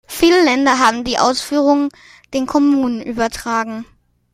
Viele Länder haben die Ausführung den Kommunen übertragen.